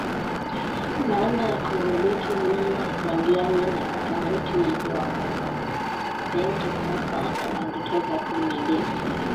baada ya kumiliki nyumba magari na akaunti iliyonona benki sasa ana ndoto za kumiliki